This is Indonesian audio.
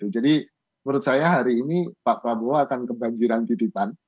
jadi menurut saya hari ini pak pabowo akan kembang jiran titipan